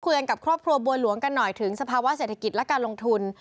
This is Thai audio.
กับครอบครัวบัวหลวงกันหน่อยถึงสภาวะเศรษฐกิจและการลงทุน